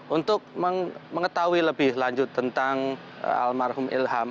untuk mengetahui lebih lanjut tentang almarhum ilham